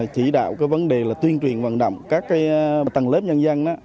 chỉ đạo cái vấn đề là tuyên truyền vận động các tầng lớp nhân dân